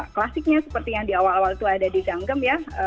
klasiknya seperti yang di awal awal itu ada di ganggem ya